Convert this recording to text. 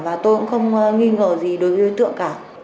và tôi cũng không nghi ngờ gì đối với đối tượng cả